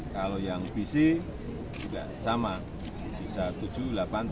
kalau yang bisi juga sama bisa tujuh delapan sembilan ton